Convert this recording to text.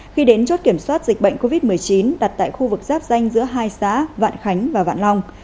khi đến chốt kiểm soát dịch bệnh covid một mươi chín đặt tại khu vực giáp danh giữa hai xã vạn khánh và vạn long